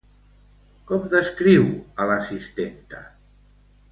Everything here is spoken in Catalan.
Com descriu a l'assistenta?